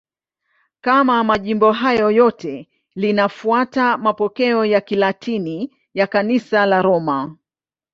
Kama majimbo hayo yote, linafuata mapokeo ya Kilatini ya Kanisa la Roma.